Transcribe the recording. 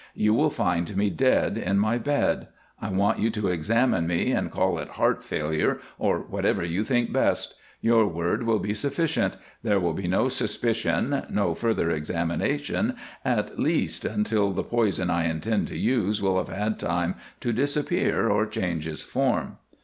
You will find me dead in my bed. I want you to examine me and call it heart failure or whatever you think best. Your word will be sufficient; there will be no suspicion, no further examination, at least, until the poison I intend to use will have had time to disappear or change its form."